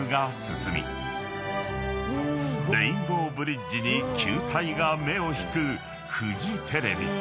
［レインボーブリッジに球体が目を引くフジテレビ］